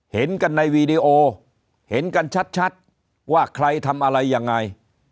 เห็นกันในวีดีโอเห็นกันชัดว่าใครทำอะไรยังไง